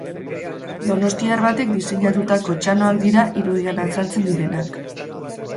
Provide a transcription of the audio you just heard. Donostiar batek disenatutako txanoak dira irudian azaltzen direnak.